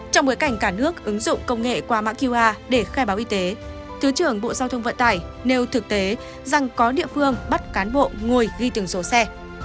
trong bối cảnh cả nước ứng dụng công nghệ qua mã qr để khai báo y tế thứ trưởng bộ giao thông vận tải nêu thực tế rằng có địa phương bắt cán bộ ngồi ghi từng số xe